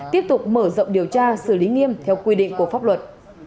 tiếp tục mở rộng điều tra xử lý nghiêm theo quy định của pháp luật